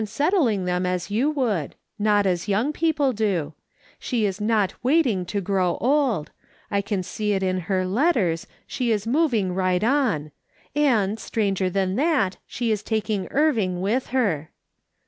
291 settling them as you would ; not as young people do ; she is not waiting to grow old ; I can see it in her letters, she is moving right on ; and stranger than that, she is taking Irving with her.